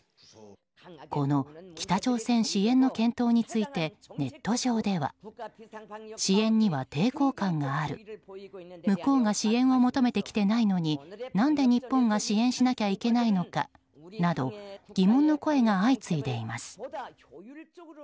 この北朝鮮支援の検討についてネット上では支援には抵抗感がある向こうが支援を求めてきてないのに何で日本が支援しなきゃいけないのか、など疑問の声が相次いでいます。